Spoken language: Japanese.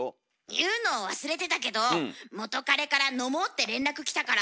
言うの忘れてたけど元カレから飲もうって連絡来たから昨日飲んできた。